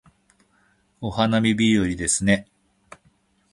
お花見日和ですね